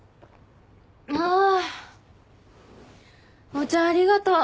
お茶ありがとう。